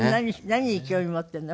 何に興味を持っているの？